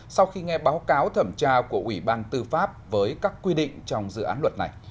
sau khi nghe báo cáo thẩm tra của ủy ban tư pháp với các quy định trong dự án luật này